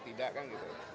tidak kan gitu